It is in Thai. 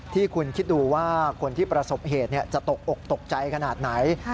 ที่คุณคิดดูว่าคนที่ประสบเหตุจะตกอกตกใจขนาดไหน